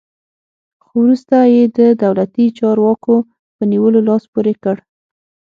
خو وروسته یې د دولتي چارواکو په نیولو لاس پورې کړ.